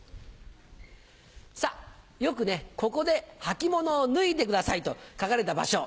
よく「ここで履物を脱いでください」と書かれた場所。